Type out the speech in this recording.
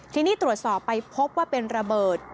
ทีนี้ตรวจสอบไปพบว่าเป็นระเบิด